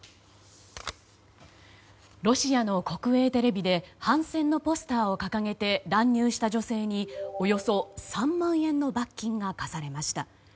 ロシアの国営テレビで反戦のポスターを掲げて乱入した女性におよそ３万円の罰金が科されました。